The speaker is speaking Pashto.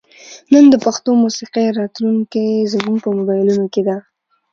نن د پښتو موسیقۍ راتلونکې زموږ په موبایلونو کې ده.